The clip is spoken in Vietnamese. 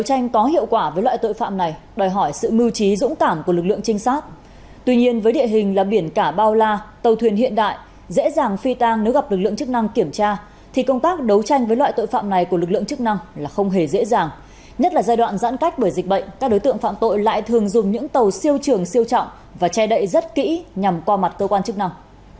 các bởi dịch bệnh các đối tượng phạm tội lại thường dùng những tàu siêu trường siêu trọng và che đậy rất kỹ nhằm qua mặt cơ quan chức nào